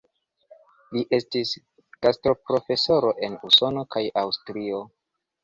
Li estis gastoprofesoro en Usono kaj Aŭstrio.